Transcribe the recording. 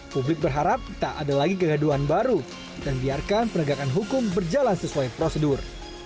publik berharap tak ada lagi kegaduhan baru dan biarkan penegakan hukum berjalan sesuai prosedur